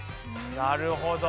なるほど。